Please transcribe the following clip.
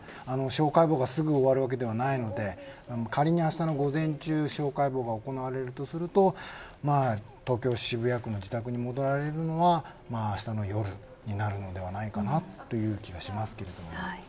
司法解剖がすぐ終わるわけではないので仮にあしたの午前中に司法解剖が行われるとすると東京、渋谷区の自宅に戻られるのはあしたの夜になるのではないかなと思います。